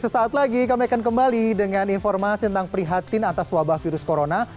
sesaat lagi kami akan kembali dengan informasi tentang prihatin atas wabah virus corona